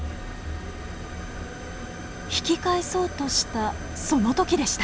引き返そうとしたその時でした。